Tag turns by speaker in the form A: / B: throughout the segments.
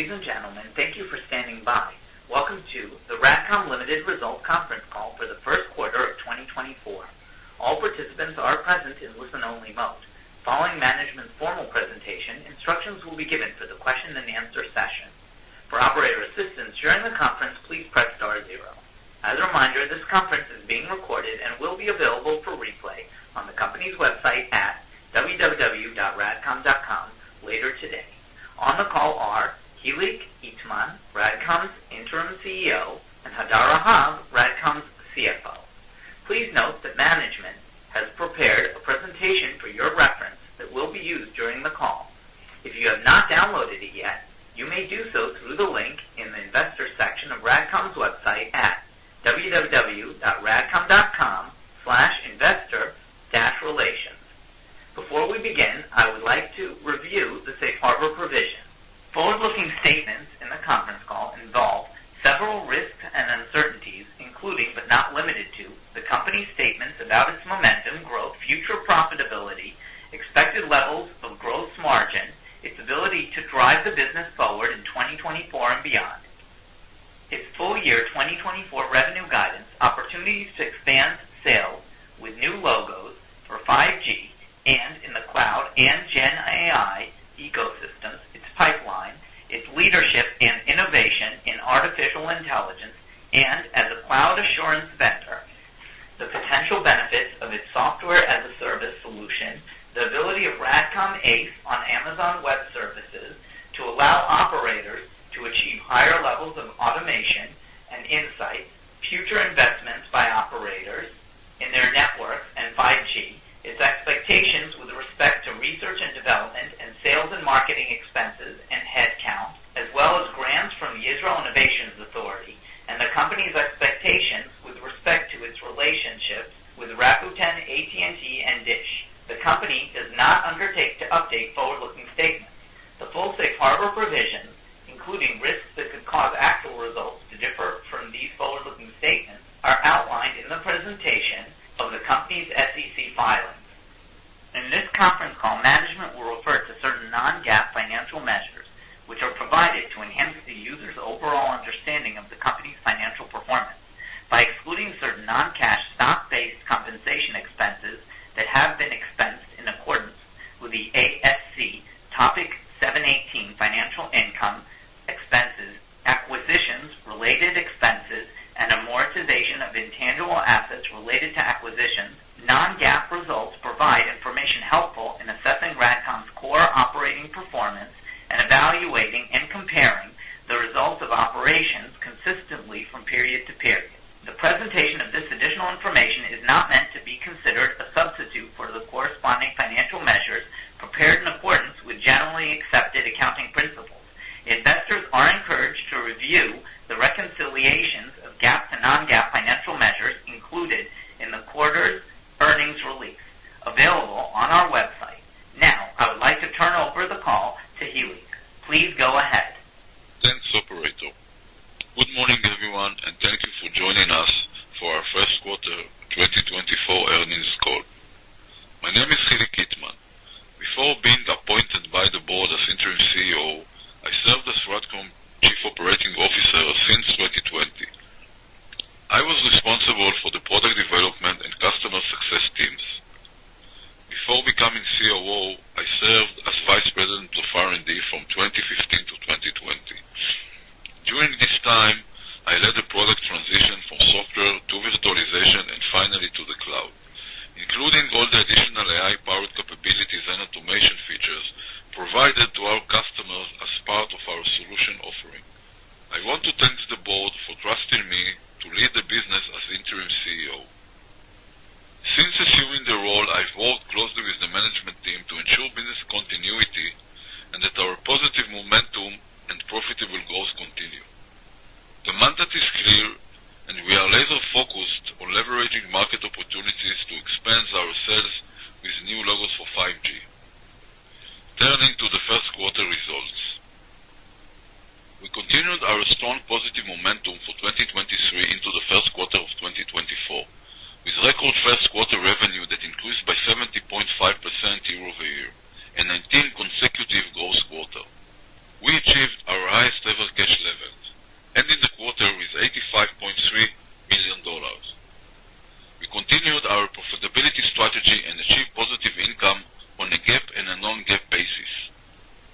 A: Ladies and gentlemen, thank you for standing by. Welcome to the RADCOM Limited Results Conference Call for the first quarter of 2024. All participants are present in listen-only mode. Following management's formal presentation, instructions will be given for the question-and-answer session. For operator assistance during the conference, please press star zero. As a reminder, this conference is being recorded and will be available for replay on the company's website at www.radcom.com later today. On the call are Hilik Itman, RADCOM's interim CEO, and Hadar Rahav, RADCOM's CFO. Please note that management has prepared a presentation for your reference that will be used during the call. If you have not downloaded it yet, you may do so through the link in the investor section of RADCOM's website at www.radcom.com/investor-relations. Before we begin, I would like to review the Safe Harbor provision. Forward-looking statements in the conference call involve several risks and uncertainties, including but not limited to the company's statements about its momentum growth, future profitability, expected levels of gross margin, its ability to drive the business forward in 2024 and beyond, its full-year 2024 revenue guidance, opportunities to expand sales with new logos for 5G and in the cloud and Gen AI ecosystems, its pipeline, its leadership and innovation in artificial intelligence, and as a cloud assurance vendor, the potential benefits of its software-as-a-service solution, the ability of RADCOM ACE on Amazon Web Services to allow operators to achieve higher levels of automation and insights, future investments by operators in their networks and 5G, its expectations with respect to research and development and sales and marketing expenses and headcount, as well as grants from the Israel Innovation Authority and the company's expectations with respect to its relationships with Rakuten, AT&T, and DISH. The company does not undertake to update forward-looking statements. The full Safe Harbor provisions, including risks that could cause actual results to differ from these forward-looking statements, are outlined in the presentation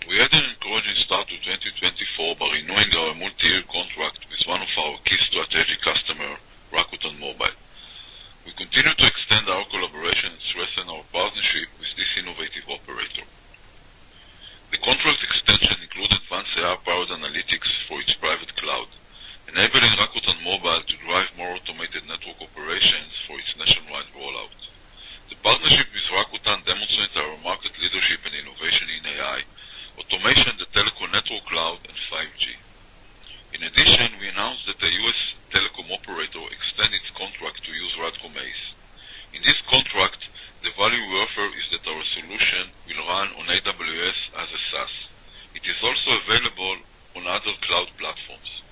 B: We had an encouraging start to 2024 by renewing our multi-year contract with one of our key strategic customers, Rakuten Mobile. We continue to extend our collaboration and strengthen our partnership with this innovative operator. The contract extension included advanced AI-powered analytics for its private cloud, enabling Rakuten Mobile to drive more automated network operations for its nationwide rollout. The partnership with Rakuten demonstrated our market leadership and innovation in AI, automation, the telecom network cloud, and 5G. In addition, we announced that a U.S. telecom operator extended its contract to use RADCOM ACE. In this contract, the value we offer is that our solution will run on AWS as a SaaS. It is also available on other cloud platforms.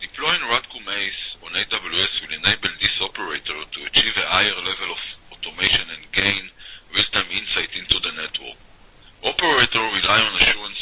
B: Deploying RADCOM ACE on AWS will enable this operator to achieve a higher level of automation and gain real-time insight into the network. Operators rely on assurance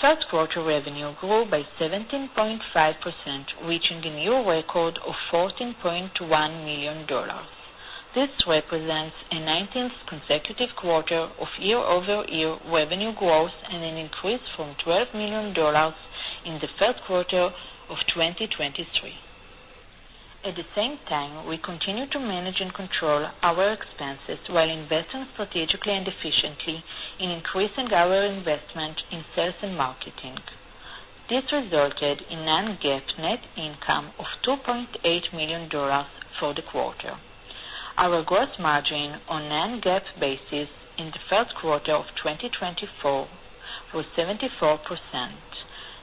C: First quarter revenue grew by 17.5%, reaching a new record of $14.1 million. This represents a 19th consecutive quarter of year-over-year revenue growth and an increase from $12 million in the first quarter of 2023. At the same time, we continue to manage and control our expenses while investing strategically and efficiently in increasing our investment in sales and marketing. This resulted in non-GAAP net income of $2.8 million for the quarter. Our gross margin on non-GAAP basis in the first quarter of 2024 was 74%.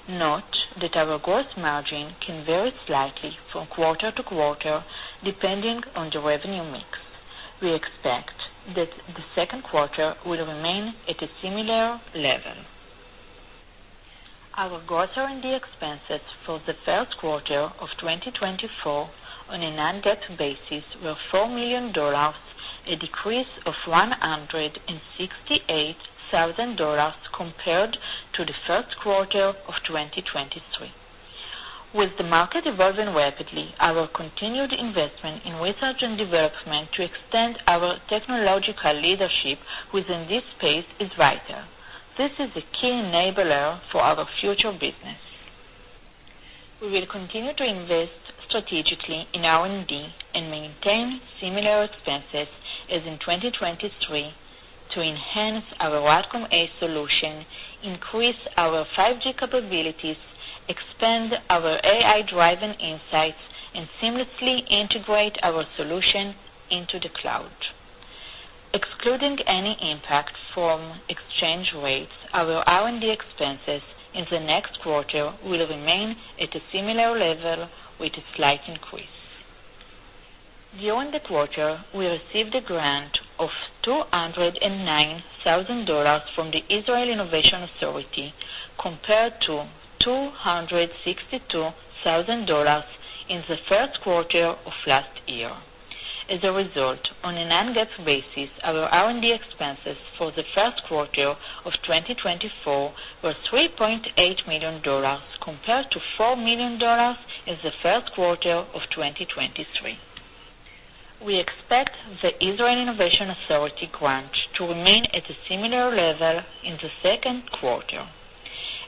C: Note that our gross margin can vary slightly from quarter to quarter depending on the revenue mix. We expect that the second quarter will remain at a similar level. Our gross R&D expenses for the first quarter of 2024 on a non-GAAP basis were $4 million, a decrease of $168,000 compared to the first quarter of 2023. With the market evolving rapidly, our continued investment in research and development to extend our technological leadership within this space is vital. This is a key enabler for our future business. We will continue to invest strategically in R&D and maintain similar expenses as in 2023 to enhance our RADCOM ACE solution, increase our 5G capabilities, expand our AI-driven insights, and seamlessly integrate our solution into the cloud. Excluding any impact from exchange rates, our R&D expenses in the next quarter will remain at a similar level with a slight increase. During the quarter, we received a grant of $209,000 from the Israel Innovation Authority compared to $262,000 in the first quarter of last year. As a result, on a non-GAAP basis, our R&D expenses for the first quarter of 2024 were $3.8 million compared to $4 million in the first quarter of 2023. We expect the Israel Innovation Authority grant to remain at a similar level in the second quarter.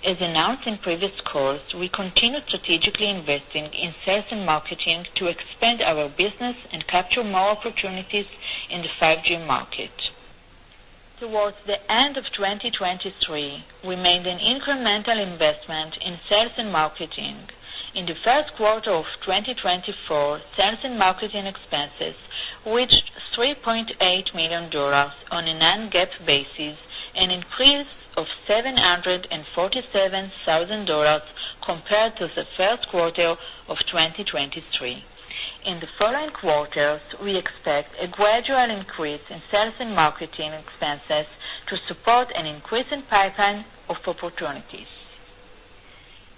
C: As announced in previous calls, we continue strategically investing in sales and marketing to expand our business and capture more opportunities in the 5G market. Towards the end of 2023, we made an incremental investment in sales and marketing. In the first quarter of 2024, sales and marketing expenses reached $3.8 million on a non-GAAP basis, an increase of $747,000 compared to the first quarter of 2023. In the following quarters, we expect a gradual increase in sales and marketing expenses to support an increasing pipeline of opportunities.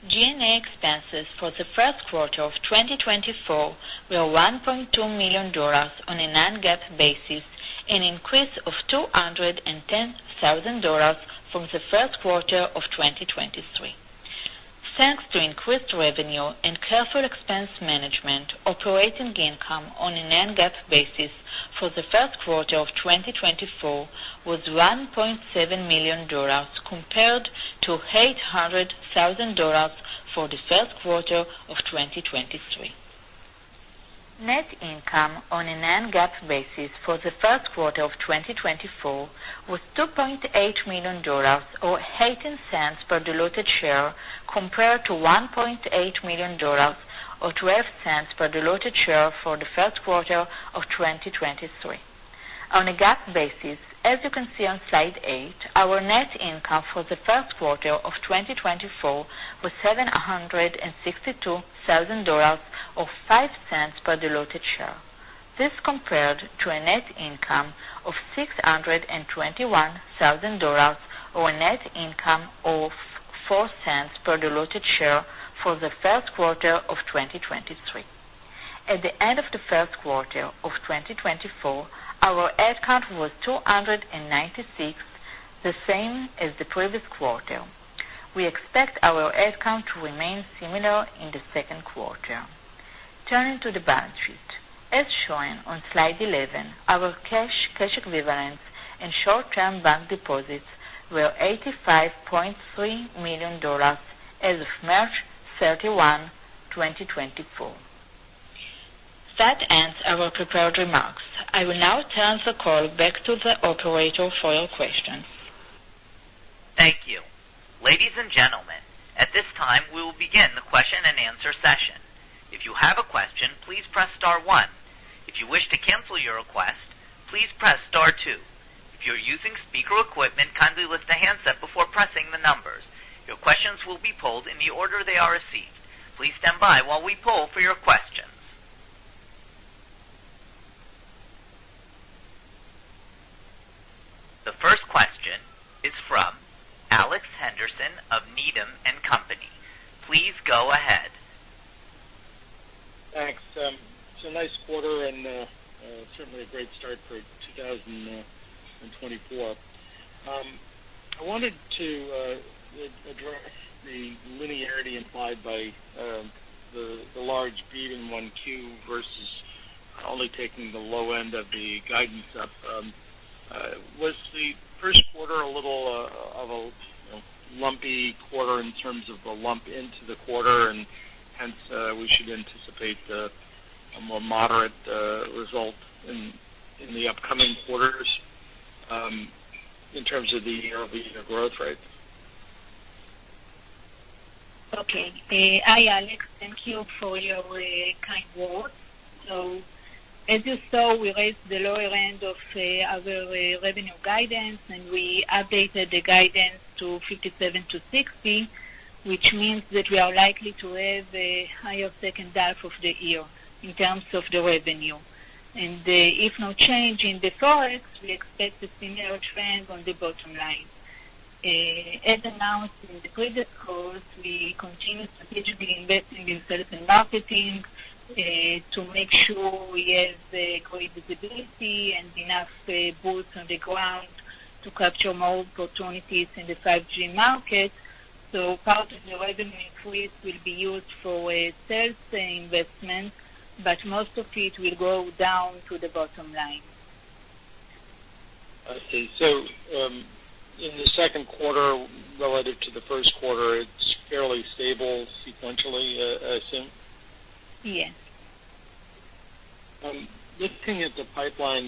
C: G&A expenses for the first quarter of 2024 were $1.2 million on a non-GAAP basis, an increase of $210,000 from the first quarter of 2023. Thanks to increased revenue and careful expense management, operating income on a non-GAAP basis for the first quarter of 2024 was $1.7 million compared to $800,000 for the first quarter of 2023. Net income on a non-GAAP basis for the first quarter of 2024 was $2.8 million or $0.08 per diluted share compared to $1.8 million or $0.12 per diluted share for the first quarter of 2023. On a GAAP basis, as you can see on slide 8, our net income for the first quarter of 2024 was $762,000 or $0.05 per diluted share. This compared to a net income of $621,000 or a net income of $0.04 per diluted share for the first quarter of 2023. At the end of the first quarter of 2024, our headcount was 296, the same as the previous quarter. We expect our headcount to remain similar in the second quarter. Turning to the balance sheet, as shown on slide 11, our cash equivalents and short-term bank deposits were $85.3 million as of March 31, 2024. That ends our prepared remarks. I will now turn the call back to the operator for your questions.
A: Thank you. Ladies and gentlemen, at this time, we will begin the question-and-answer session. If you have a question, please press star one. If you wish to cancel your request, please press star two. If you're using speaker equipment, kindly lift the handset before pressing the numbers. Your questions will be pulled in the order they are received. Please stand by while we pull for your questions. The first question is from Alex Henderson of Needham & Company. Please go ahead.
D: Thanks. It's a nice quarter and certainly a great start for 2024. I wanted to address the linearity implied by the large beat in Q1 versus only taking the low end of the guidance up. Was the first quarter a little bit of a lumpy quarter in terms of the lumpiness into the quarter, and hence we should anticipate a more moderate result in the upcoming quarters in terms of the year-over-year growth rates?
C: Okay. Hi, Alex. Thank you for your kind words. So as you saw, we raised the lower end of our revenue guidance, and we updated the guidance to $57 million-$60 million, which means that we are likely to have a higher second half of the year in terms of the revenue. And if no change in the Forex, we expect a similar trend on the bottom line. As announced in the previous calls, we continue strategically investing in sales and marketing to make sure we have great visibility and enough boots on the ground to capture more opportunities in the 5G market. So part of the revenue increase will be used for sales investment, but most of it will go down to the bottom line.
D: I see. So in the second quarter relative to the first quarter, it's fairly stable sequentially, I assume?
C: Yes.
D: Looking at the pipeline,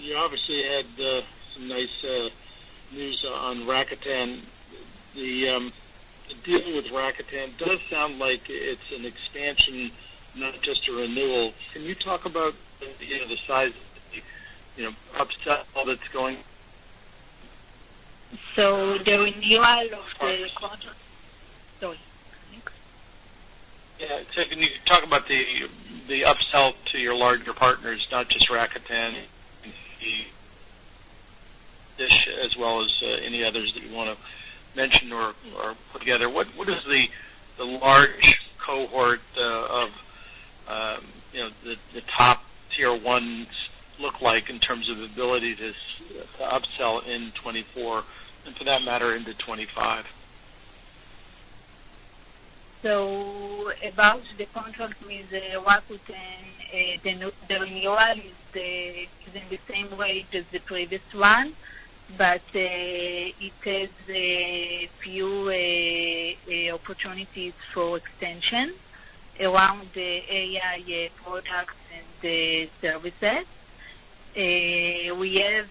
D: you obviously had some nice news on Rakuten. The deal with Rakuten does sound like it's an expansion, not just a renewal. Can you talk about the size of the upsell that's going?
C: So the renewal of the quarter. Sorry.
D: Yeah. Can you talk about the upsell to your larger partners, not just Rakuten and DISH, as well as any others that you want to mention or put together? What does the large cohort of the top tier ones look like in terms of ability to upsell in 2024 and, for that matter, into 2025?
C: About the contract with Rakuten, the renewal is in the same way as the previous one, but it has a few opportunities for extension around the AI products and services. We have,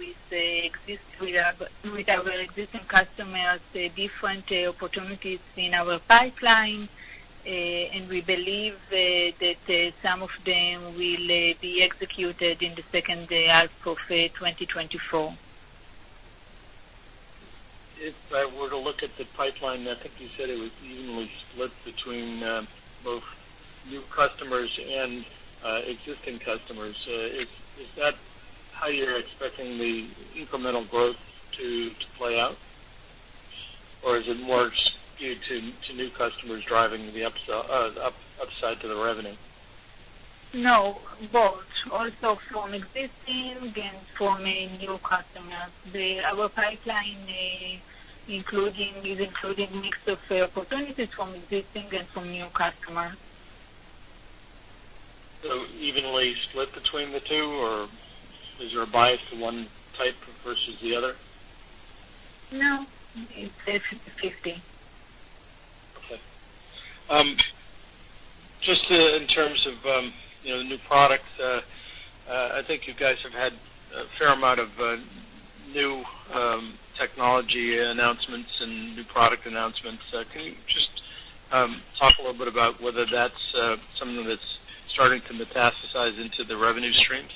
C: with our existing customers, different opportunities in our pipeline, and we believe that some of them will be executed in the second half of 2024.
D: If I were to look at the pipeline, I think you said it was evenly split between both new customers and existing customers. Is that how you're expecting the incremental growth to play out, or is it more due to new customers driving the upside to the revenue?
C: No, both, also from existing and from new customers. Our pipeline is including a mix of opportunities from existing and from new customers.
D: So evenly split between the two, or is there a bias to one type versus the other?
C: No, it's 50/50.
D: Okay. Just in terms of the new products, I think you guys have had a fair amount of new technology announcements and new product announcements. Can you just talk a little bit about whether that's something that's starting to metastasize into the revenue streams?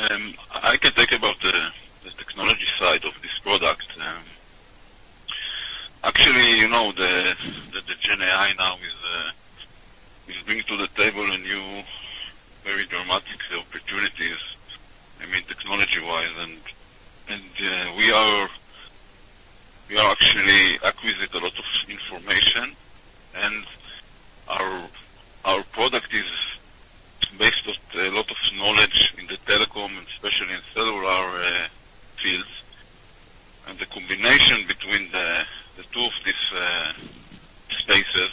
B: I can think about the technology side of this product. Actually, the Gen AI now is bringing to the table very dramatic opportunities, I mean, technology-wise. We are actually acquiring a lot of information, and our product is based on a lot of knowledge in the telecom, especially in cellular fields. The combination between the two of these spaces,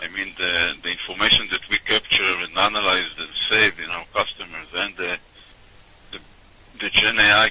B: I mean, the information that we capture and analyze and save in our customers and the Gen AI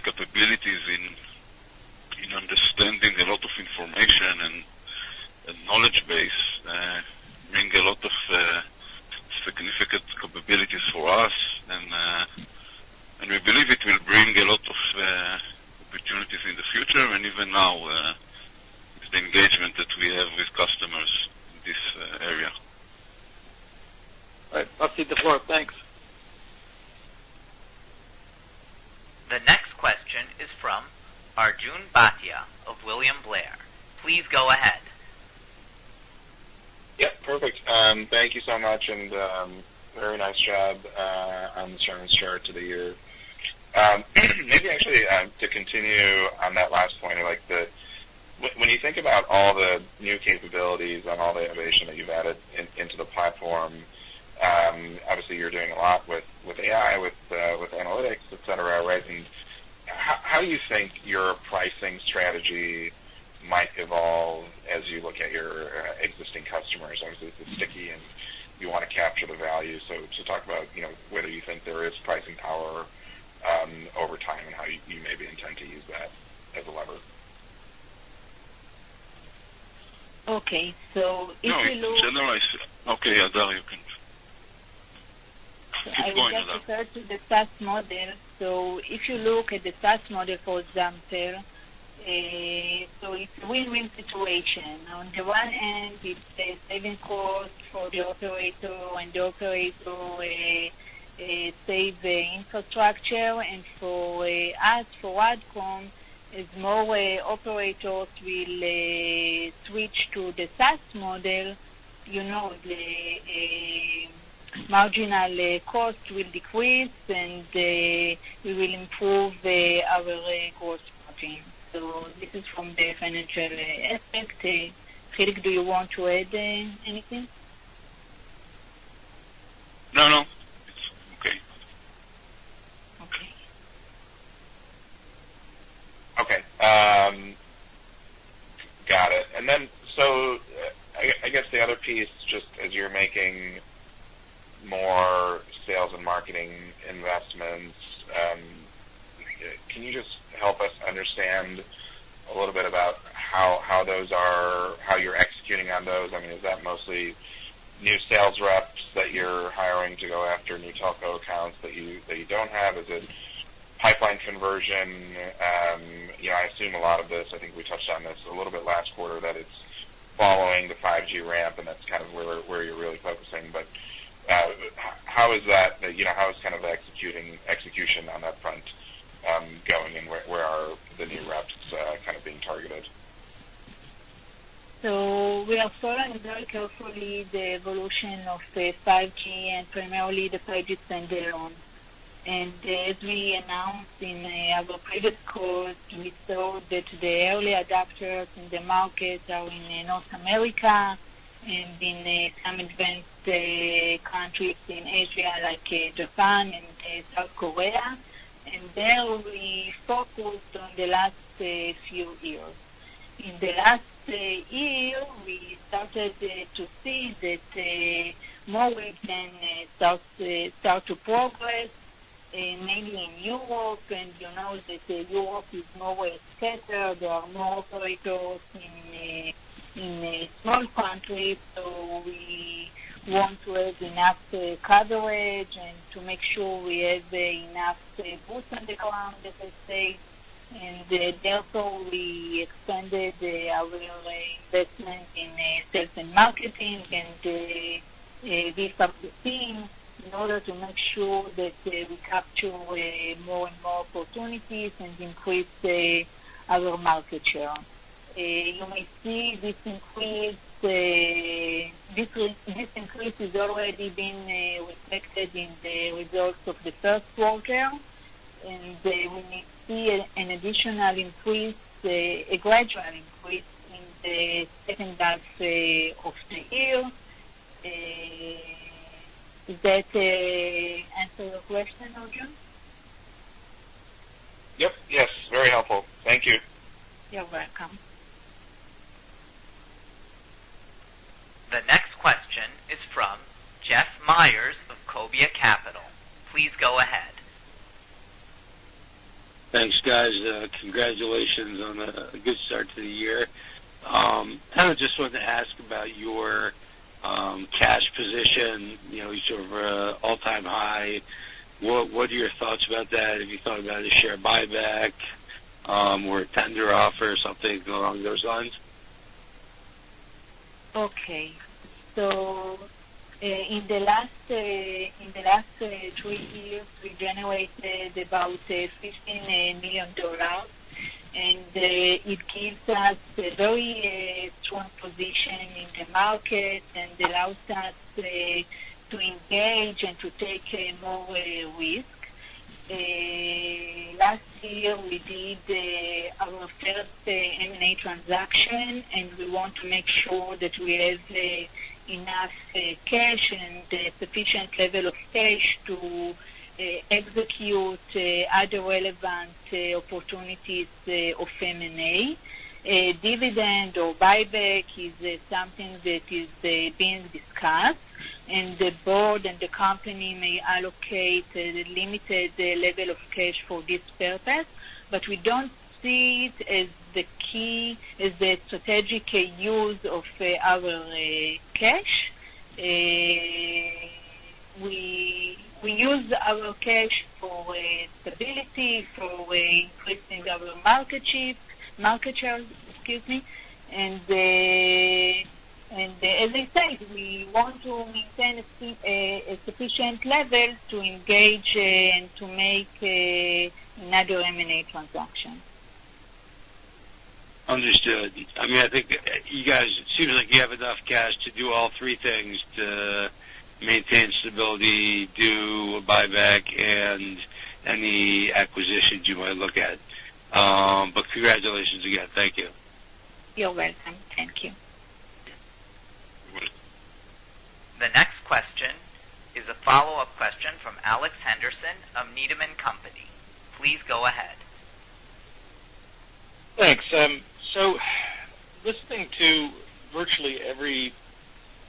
B: capabilities in understanding a lot of information and knowledge base bring a lot of significant capabilities for us. We believe it will bring a lot of opportunities in the future, and even now with the engagement that we have with customers in this area.
D: All right. I'll cede the floor. Thanks.
A: The next question is from Arjun Bhatia of William Blair. Please go ahead.
E: Yep. Perfect. Thank you so much, and very nice job on the solid start to the year. Maybe actually to continue on that last point of when you think about all the new capabilities and all the innovation that you've added into the platform, obviously, you're doing a lot with AI, with analytics, etc., right? And how do you think your pricing strategy might evolve as you look at your existing customers? Obviously, it's sticky, and you want to capture the value. So talk about whether you think there is pricing power over time and how you maybe intend to use that as a lever.
C: Okay. So if you look.
B: No, generalize. Okay, Hadar, you can keep going with that.
C: I would just refer to the SaaS model. So if you look at the SaaS model, for example, so it's a win-win situation. On the one end, it's a saving cost for the operator, and the operator saves infrastructure. And for us, for RADCOM, as more operators will switch to the SaaS model, the marginal cost will decrease, and we will improve our gross margin. So this is from the financial aspect. Hilik, do you want to add anything?
B: No, no. It's okay.
C: Okay.
E: Okay. Got it. And then, so I guess the other piece, just as you're making more sales and marketing investments, can you just help us understand a little bit about how those are, how you're executing on those? I mean, is that mostly new sales reps that you're hiring to go after new telco accounts that you don't have? Is it pipeline conversion? I assume a lot of this. I think we touched on this a little bit last quarter, that it's following the 5G ramp, and that's kind of where you're really focusing. But how is that, how is kind of the execution on that front going, and where are the new reps kind of being targeted?
C: So we are following very carefully the evolution of 5G and primarily the 5G Standalone. And as we announced in our previous call, we saw that the early adopters in the market are in North America and in some advanced countries in Asia like Japan and South Korea. And there we focused on the last few years. In the last year, we started to see that more we can start to progress, mainly in Europe, and that Europe is more scattered. There are more operators in small countries, so we want to have enough coverage and to make sure we have enough boots on the ground, as I say. And therefore, we expanded our investment in sales and marketing and this upswing in order to make sure that we capture more and more opportunities and increase our market share. You may see this increase has already been reflected in the results of the first quarter, and we may see an additional increase, a gradual increase, in the second half of the year. Does that answer your question, Arjun?
E: Yep. Yes. Very helpful. Thank you.
C: You're welcome.
A: The next question is from Jeff Meyers of Cobia Capital. Please go ahead.
F: Thanks, guys. Congratulations on a good start to the year. Kind of just wanted to ask about your cash position. It's over an all-time high. What are your thoughts about that? Have you thought about a share buyback or a tender offer, something along those lines?
C: Okay. So in the last three years, we generated about $15 million, and it gives us a very strong position in the market and allows us to engage and to take more risk. Last year, we did our first M&A transaction, and we want to make sure that we have enough cash and a sufficient level of cash to execute other relevant opportunities of M&A. Dividend or buyback is something that is being discussed, and the board and the company may allocate a limited level of cash for this purpose, but we don't see it as the key as the strategic use of our cash. We use our cash for stability, for increasing our market share, excuse me. And as I said, we want to maintain a sufficient level to engage and to make another M&A transaction.
F: Understood. I mean, I think you guys, it seems like you have enough cash to do all three things: to maintain stability, do a buyback, and any acquisitions you might look at. But congratulations again. Thank you.
C: You're welcome. Thank you.
A: The next question is a follow-up question from Alex Henderson of Needham & Company. Please go ahead.
D: Thanks. So listening to virtually every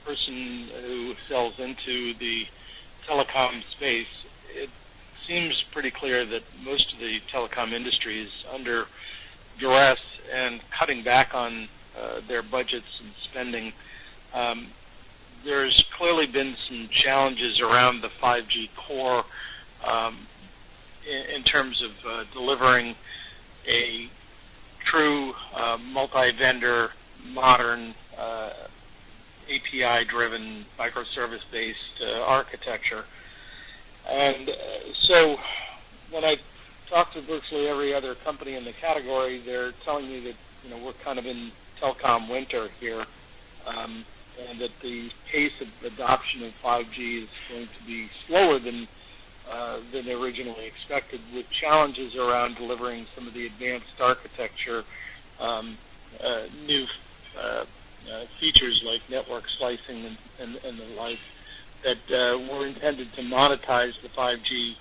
D: person who sells into the telecom space, it seems pretty clear that most of the telecom industry is under duress and cutting back on their budgets and spending. There's clearly been some challenges around the 5G core in terms of delivering a true multi-vendor, modern, API-driven, microservice-based architecture. And so when I talk to virtually every other company in the category, they're telling me that we're kind of in telecom winter here and that the pace of adoption of 5G is going to be slower than originally expected, with challenges around delivering some of the advanced architecture, new features like network slicing and the like, that were intended to monetize the 5G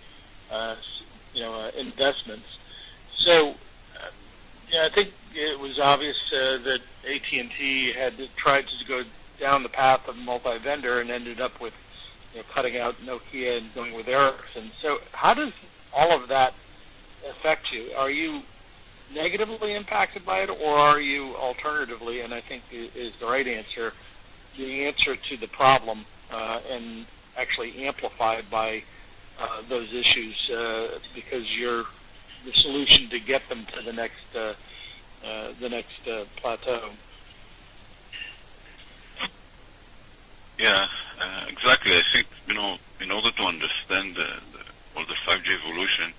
D: investments. So yeah, I think it was obvious that AT&T had tried to go down the path of multi-vendor and ended up with cutting out Nokia and going with Ericsson. So how does all of that affect you? Are you negatively impacted by it, or are you, alternatively - and I think is the right answer - the answer to the problem and actually amplified by those issues because you're the solution to get them to the next plateau?
B: Yeah. Exactly. I think in order to understand the 5G evolution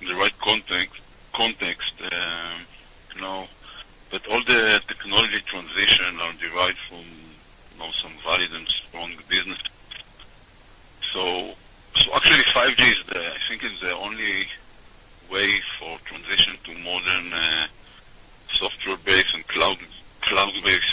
B: in the right context, but all the technology transitions are derived from some valid and strong business. So actually, 5G, I think, is the only way for transition to modern software-based and cloud-based networks for the telecom. So from what I see,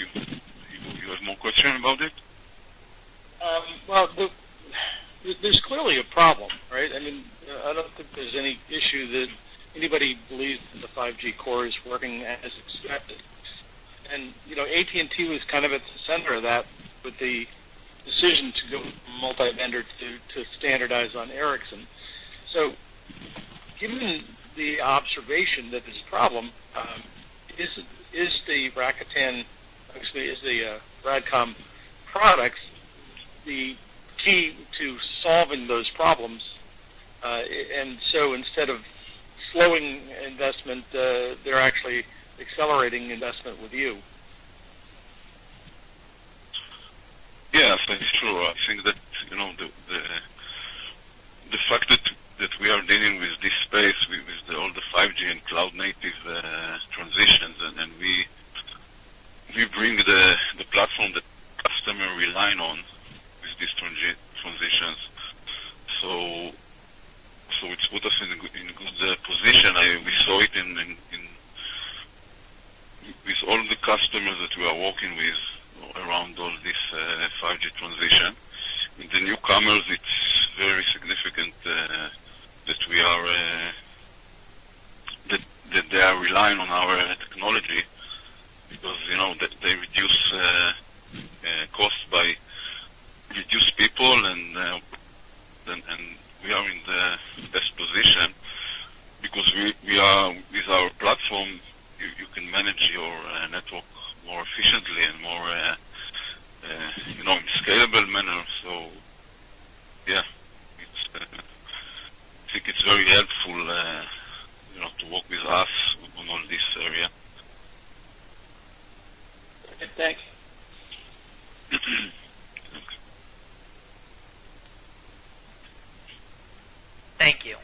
B: you have more questions about it?
D: Well, there's clearly a problem, right? I mean, I don't think there's any issue that anybody believes that the 5G core is working as expected. AT&T was kind of at the center of that with the decision to go multi-vendor to standardize on Ericsson. So given the observation that there's a problem, is Rakuten actually, is the RADCOM products the key to solving those problems? And so instead of slowing investment, they're actually accelerating investment with you?
B: Yeah. That's true. I think that the fact that we are dealing with this space, with all the 5G and cloud-native transitions, and we bring the platform that customer rely on with these transitions. So it's put us in good position. We saw it with all the customers that we are working with around all this 5G transition. With the newcomers, it's very significant that they are relying on our technology because they reduce costs by reducing people, and we are in the best position because with our platform, you can manage your network more efficiently and more in a scalable manner. So yeah, I think it's very helpful to work with us on all this area.
D: Perfect. Thanks.
A: Thank you.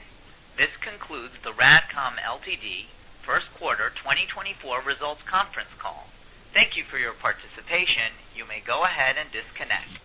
A: This concludes the RADCOM Ltd. First Quarter 2024 Results Conference Call. Thank you for your participation. You may go ahead and disconnect.